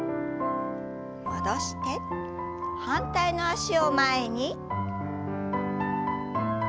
戻して反対の脚を前に。